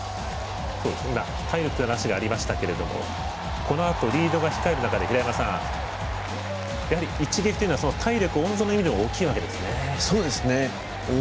体力という話がありましたけれどもこのあとリードが控える中で平山さん、一撃というのは体力温存の意味でも大きいわけですね。